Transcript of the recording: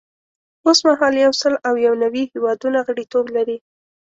اوس مهال یو سل او یو نوي هیوادونه غړیتوب لري.